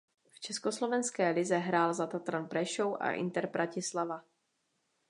V československé lize hrál za Tatran Prešov a Inter Bratislava.